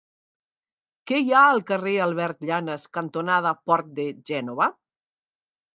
Què hi ha al carrer Albert Llanas cantonada Port de Gènova?